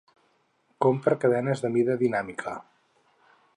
Compre cadenes de mida dinàmica.